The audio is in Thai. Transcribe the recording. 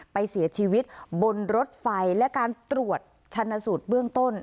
ไปเสียชีวิตบนรถไฟและการตรวจชันสูตรเบื้องต้น